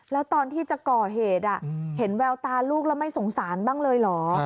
แล้วตอนที่จะก่อเหตุเห็นแววตาลูกแล้วไม่สงสารบ้างเลยเหรอ